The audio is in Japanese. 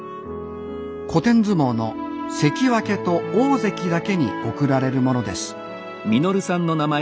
古典相撲の関脇と大関だけに贈られるものです